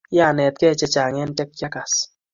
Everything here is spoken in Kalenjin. kianetkee chechang en che kiagas